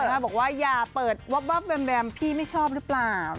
บอกว่าอย่าเปิดวับแวมพี่ไม่ชอบหรือเปล่า